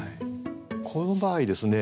この場合ですね